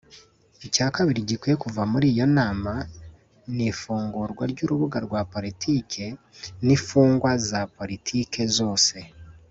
Icya kabiri gikwiye kuva muri iyo nama ni ifungurwa ry’urubaga rwa politike n’imfungwa za politike zose